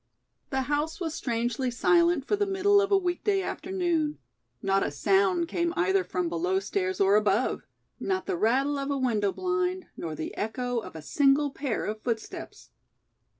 The house was strangely silent for the middle of a week day afternoon; not a sound came either from below stairs or above, not the rattle of a window blind nor the echo of a single pair of footsteps.